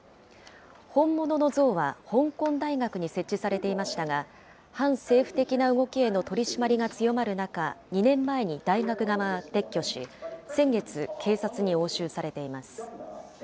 本物の像は、香港大学に設置されていましたが、反政府的な動きへの取締りが強まる中、２年前に大学側が撤去し、先月、警察に押収されています。